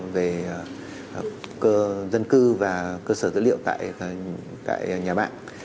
về dân cư và cơ sở dữ liệu tại nhà mạng